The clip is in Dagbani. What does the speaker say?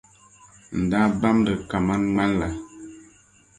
n daa bamdi kaman ŋmani la.